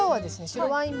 白ワイン